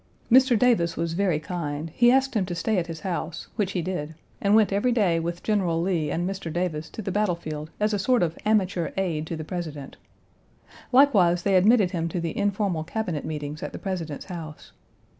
Mr. Davis was very kind; he asked him to stay at his house, which he did, and went every day with General Lee and Mr. Davis to the battle field as a sort of amateur aide to the President. Likewise they admitted him to the informal Cabinet meetings at the President's house.